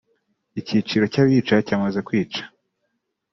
Icyiciro cy’abica cyamaze kwica